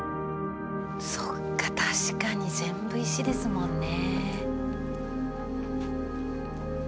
そっか確かに全部石ですもんね。